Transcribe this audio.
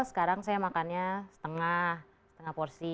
sekarang saya makannya setengah setengah porsi